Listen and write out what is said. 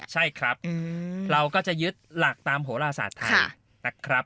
ใช่ครับเราก็จะยึดหลักตามโหลศาสตร์ไทยนะครับ